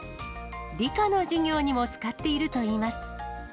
理科の授業にも使っているといいます。